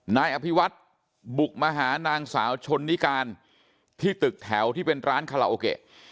นายอภิวัฒน์บุกมาหานางสาวชนนิการที่ตึกแถวที่เป็นร้านคาราโอเกะ